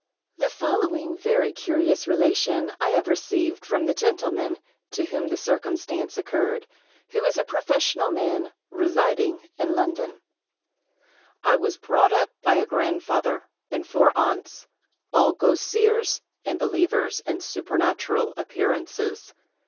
The following very curious relation I have received from the gentleman to whom the circumstance occurred, who is a professional man residing in London:— "I was brought up by a grandfather and four aunts, all ghost seers and believers in supernatural appearances.